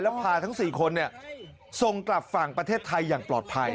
แล้วพาทั้ง๔คนส่งกลับฝั่งประเทศไทยอย่างปลอดภัย